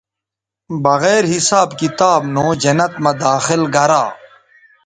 بغیر حساب کتاب نو جنت مہ داخل گرا